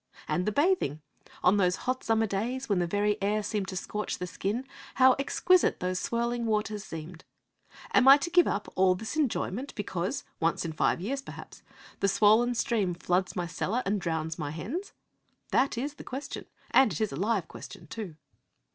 And the bathing! On those hot summer days when the very air seemed to scorch the skin, how exquisite those swirling waters seemed! Am I to give up all this enjoyment because, once in five years perhaps, the swollen stream floods my cellar and drowns my hens? That is the question, and it is a live question too.